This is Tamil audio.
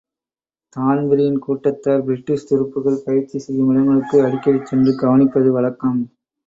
தான்பிரீன் கூட்டத்தார் பிரிட்டிஷ் துருப்புக்கள் பயிற்சி செய்யும் இடங்களுக்கு அடிக்கடி சென்று கவனிப்பது வழக்கம்.